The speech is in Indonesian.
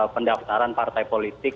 pendaftaran partai politik